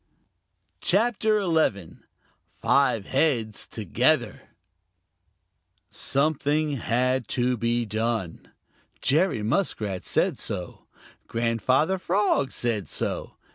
CHAPTER XI: Five Heads Together Something had to be done. Jerry Muskrat said so. Grandfather Frog said so.